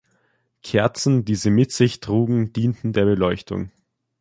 Kerzen, die sie mit sich trugen, dienten der Beleuchtung.